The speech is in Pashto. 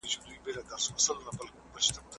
سل دي ومره خو د سلو سر دي مه مره.